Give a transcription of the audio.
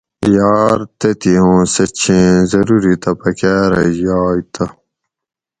یار تتھی اُوں سٞہ چھیں ضرورِتہ پکاٞرہ یائ تہ